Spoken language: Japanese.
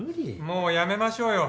もうやめましょうよ